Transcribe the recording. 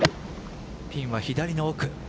ピンは左の奥。